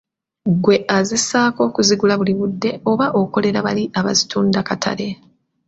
Ggwe azessaako okuzigula buli budde oba okolera bali abazitunda katale.